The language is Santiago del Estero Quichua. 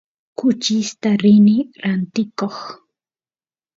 kuchista rini rantikoq